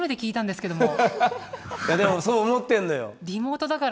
いやでもそう思ってんのよ。